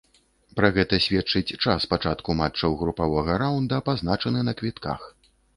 Пра гэта сведчыць час пачатку матчаў групавога раўнда, пазначаны на квітках.